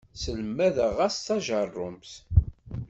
Sselmadeɣ-as tajerrumt.